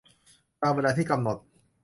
ตามเวลาที่กำหนด